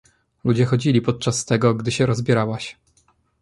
Ludzie chodzili podczas tego, gdy się rozbierałaś.